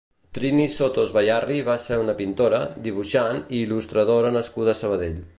Trini Sotos Bayarri va ser una pintora, dibuixant i il·lustradora nascuda a Sabadell.